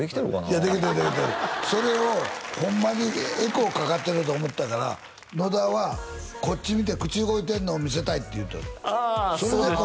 いやできてるできてるそれをホンマにエコーかかってると思ったから野田は「こっち見て口動いてるのを見せたい」って言うてたああそうでしたね